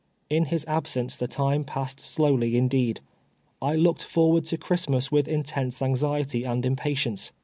In his absence the time passed slowly indeed. I looked forward to Christmas with intense anxiety and impatience.